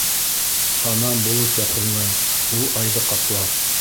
Ана болот яҡынлай, ул айҙы ҡаплар.